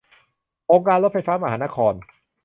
องค์การรถไฟฟ้ามหานคร